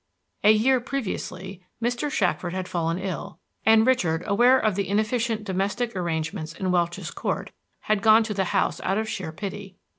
A year previously Mr. Shackford had fallen ill, and Richard, aware of the inefficient domestic arrangements in Welch's Court, had gone to the house out of sheer pity.